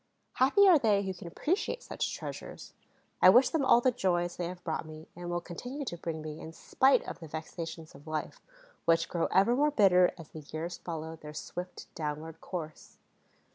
Happy are they who can appreciate such treasures! I wish them all the joys they have brought me and will continue to bring me, in spite of the vexations of life, which grow ever more bitter as the years follow their swift downward course.